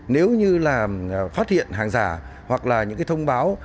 nếu như là phát hiện hàng giả hoặc là những cái thông báo